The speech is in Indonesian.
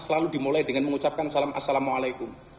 selalu dimulai dengan mengucapkan salam assalamualaikum